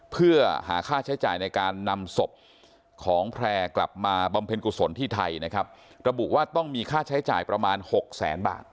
เพื่อหาค่าใช้จ่ายในการนำศพของแพร่กลับมาบำเพ็ญกุศลที่ไทยนะครับระบุว่าต้องมีค่าใช้จ่ายประมาณหกแสนบาท